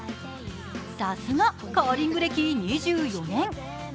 さすがカーリング歴２４年。